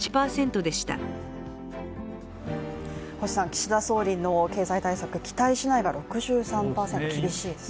岸田総理の経済対策、期待しないが６３％と厳しいですね。